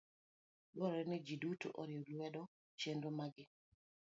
Dwarore ni ji duto oriw lwedo chenro ma g